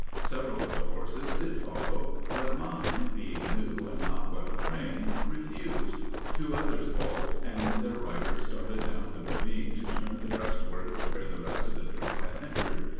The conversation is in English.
Several of the horses did follow, but mine, being new and not well trained, refused; two others balked, and their riders started down the ravine to turn the breastwork where the rest of the troop had entered.